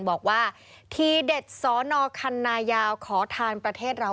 บอกว่าทีเด็ดสอนอคันนายาวขอทานประเทศเรา